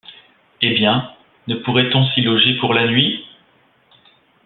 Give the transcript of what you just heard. Eh bien ! ne pourrait-on s’y loger pour la nuit ?